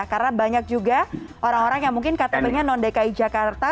karena banyak juga orang orang yang mungkin ktp nya non dki jakarta